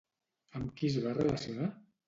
Amb qui es va relacionar?